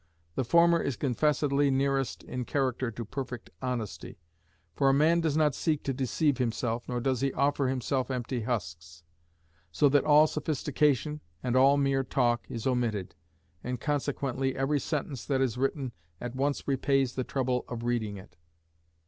The former is confessedly nearest in character to perfect honesty; for a man does not seek to deceive himself, nor does he offer himself empty husks; so that all sophistication and all mere talk is omitted, and consequently every sentence that is written at once repays the trouble of reading it.